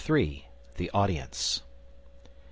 THE AUDIENCE M.